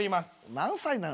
何歳なの？